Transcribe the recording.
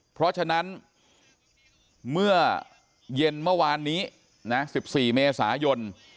เพราะฉะนั้นเมื่อเย็นเมื่อวานนี้๑๔เมษายน